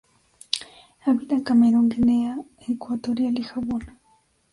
Habita en Camerún, Guinea Ecuatorial y Gabón.